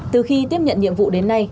từ khi tiếp nhận nhiệm vụ đến nay